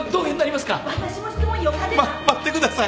ま待ってください。